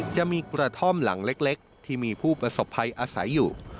จะมีกระท่อมหลังเล็กที่มีผู้ประสบภัยอาศัยอยู่